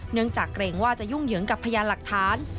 เนื่องจากเกรงว่าจะยุ่งเหยิงกับพยานหลักฐาน